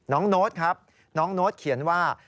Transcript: น้องโน๊ตครับน้องโน๊ตเขียนว่า